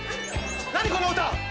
何この歌！